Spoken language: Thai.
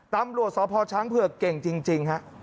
ตำรวจสพช้างเผือกเก่งจริงฮะ